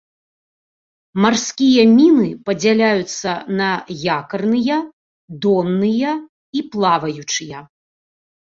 Марскія міны падзяляюцца на якарныя, донныя і плаваючыя.